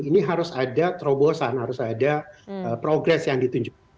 ini harus ada terobosan harus ada progres yang ditunjukkan